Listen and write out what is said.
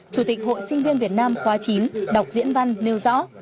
chủ tịch hội sinh viên việt nam khóa chín đọc diễn văn nêu rõ